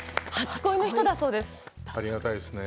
ありがたいですね。